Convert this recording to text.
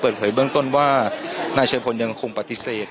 เปิดเผยเบื้องต้นว่านายชายพลยังคงปฏิเสธ